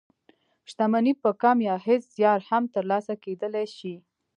شتمني په کم يا هېڅ زيار هم تر لاسه کېدلای شي.